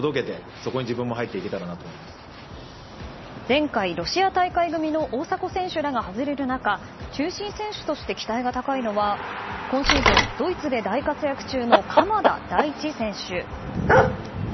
前回、ロシア大会組の大迫選手らが外れる中中心選手として期待が高いのは今シーズン、ドイツで大活躍中の鎌田大地選手。